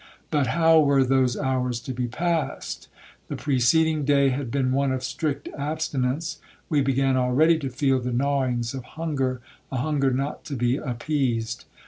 But how were those hours to be passed? The preceding day had been one of strict abstinence,—we began already to feel the gnawings of hunger, a hunger not to be appeased.